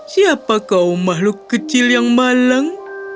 siapa kaum makhluk kecil yang malang